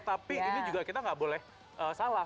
tapi ini juga kita nggak boleh salah